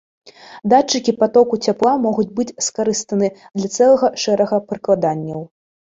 Датчыкі патоку цяпла могуць быць скарыстаны для цэлага шэрага прыкладанняў.